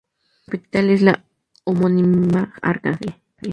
Su capital es la homónima Arcángel.